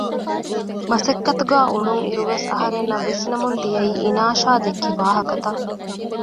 މަސައްކަތުގައި އުޅުންއިރުވެސް އަހަރެންނަށް ވިސްނެމުން ދިޔައީ އިނާޝާ ދެއްކި ވާހަކަތައް